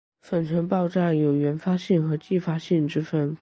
粉尘爆炸有原发性和继发性之分。